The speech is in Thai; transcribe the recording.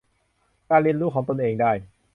การเรียนรู้ของตนเองได้